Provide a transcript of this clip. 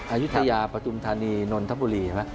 อายุทยาปฐุมธานีนนทบุรี